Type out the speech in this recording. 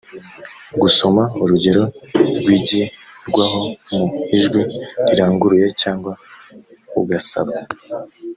gusoma urugero rwigirwaho mu ijwi riranguruye cyangwa ugasaba